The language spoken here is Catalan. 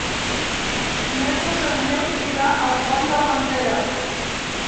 Dimecres en Nil irà al Pont d'Armentera.